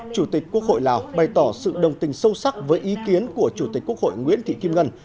chủ tịch quốc hội lào bày tỏ sự đồng tình sâu sắc với ý kiến của chủ tịch quốc hội nguyễn thị kim ngân